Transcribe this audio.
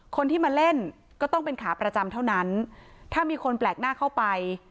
คนที่มาเล่นก็ต้องเป็นขาประจำเท่านั้นถ้ามีคนแปลกหน้าเข้าไป